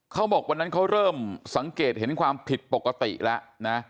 เขาบอกวันนั้นเขาเริ่มสังเกตเห็นความผิดปกติแล้วนะ